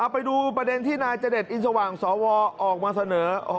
ไปดูประเด็นที่นายเจดอินสว่างสวออกมาเสนอ